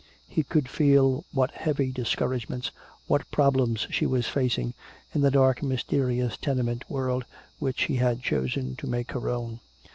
He could feel what heavy discouragements, what problems she was facing in the dark mysterious tenement world which she had chosen to make her own.